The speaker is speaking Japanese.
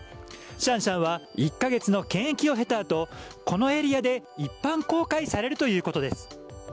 シャンシャンは１カ月の検疫を経た後このエリアで一般公開されるということです。